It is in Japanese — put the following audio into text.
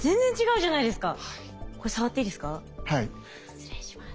失礼します。